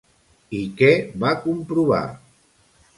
I què va comprovar?